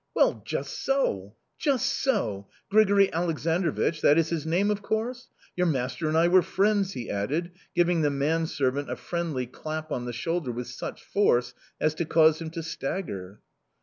"Well! Just so!... Just so!... Grigori Aleksandrovich?... that is his name, of course? Your master and I were friends," he added, giving the manservant a friendly clap on the shoulder with such force as to cause him to stagger.